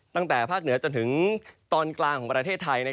ตั้งแต่ภาคเหนือจนถึงตอนกลางของประเทศไทย